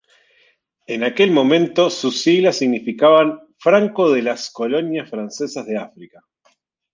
En aquel momento sus siglas significaban "franco de las Colonias Francesas de África".